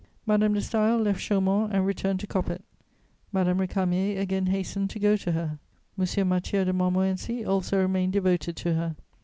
Madame de Staël left Chaumont and returned to Coppet; Madame Récamier again hastened to go to her; M. Mathieu de Montmorency also remained devoted to her.